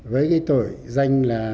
với cái tội danh là